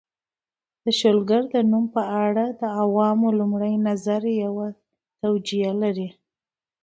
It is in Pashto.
د شلګر د نوم په اړه د عوامو لومړی نظر یوه توجیه لري